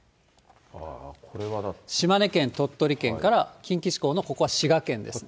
島根県、鳥取県から、近畿地方の、ここは滋賀県です。